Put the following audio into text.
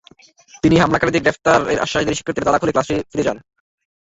তিনি হামলাকারীদের গ্রেপ্তারের আশ্বাস দিলে শিক্ষার্থীরা তালা খুলে নিয়ে ক্লাসে ফিরে যান।